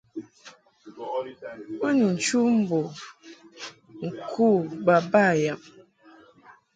Bo ni nchu mbo ŋku baba yab.